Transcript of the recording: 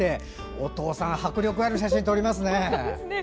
お父さん迫力ある写真撮りますね。